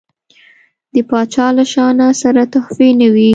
د پاچا له شانه سره تحفې نه وي.